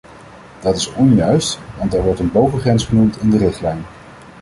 Dat is onjuist, want er wordt een bovengrens genoemd in de richtlijn.